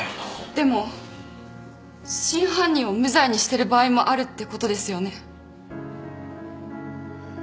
でも真犯人を無罪にしてる場合もあるってことですよね？